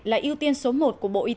là ưu tiên số một của bộ y tế